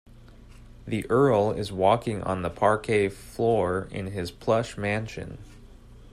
The earl is walking on the parquet floor in his plush mansion.